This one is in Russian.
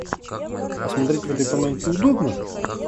А смотреть в этой панамке удобно?